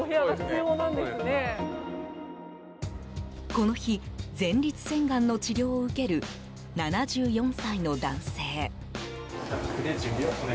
この日、前立腺がんの治療を受ける７４歳の男性。